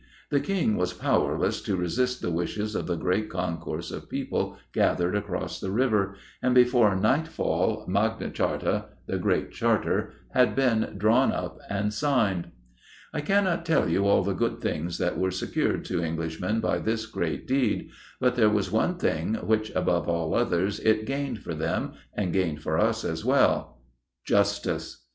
The King was powerless to resist the wishes of the great concourse of people gathered across the river, and before nightfall 'Magna Charta,' the 'Great Charter,' had been drawn up and signed. I cannot tell you all the good things that were secured to Englishmen by this great deed, but there was one thing which, above all others, it gained for them and gained for us as well Justice.